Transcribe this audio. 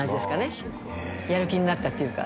ああそうかやる気になったっていうか